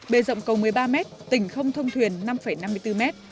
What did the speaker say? bề rộng cầu một mươi ba mét tỉnh không thông thuyền năm năm mươi bốn mét